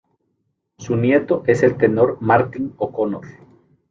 Su nieto es el tenor Martín O'Connor.